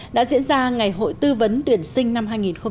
đã diễn ra ngày hội tư vấn tuyển sinh năm hai nghìn một mươi tám